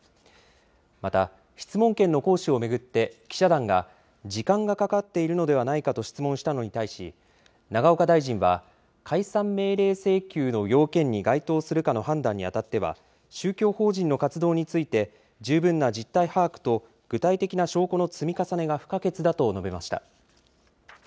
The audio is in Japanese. また、質問権の行使を巡って、記者団が、時間がかかっているのではないかと質問したのに対し、永岡大臣は、解散命令請求の要件に該当するかの判断にあたっては、宗教法人の活動について、十分な実態把握と具体的な証拠の積み重ねが不可欠だと述べました。